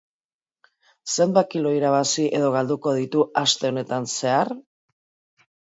Zenbat kilo irabazi edo galduko ditu aste honetan zehar?